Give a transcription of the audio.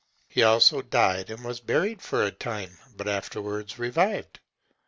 He also died, and was buried for a time, but afterwards revived.